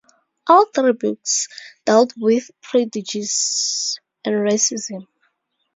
All three books dealt with prejudice and racism.